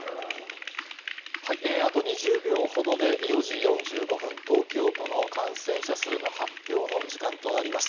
あと２０秒ほどで４時４５分、東京都の感染者数の発表の時間となります。